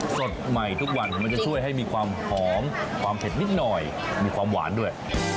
สดใหม่ทุกวันมันจะช่วยให้มีความหอมความเผ็ดนิดหน่อยมีความหวานด้วย